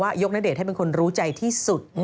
ยกณเดชน์ให้เป็นคนรู้ใจที่สุด